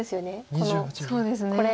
このこれ。